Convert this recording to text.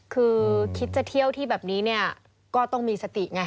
คือคิดจะเที่ยวที่แบบนี้เนี่ยก็ต้องมีสติไง